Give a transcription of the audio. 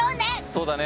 そうだね。